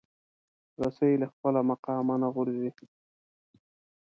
رسۍ له خپل مقامه نه غورځي.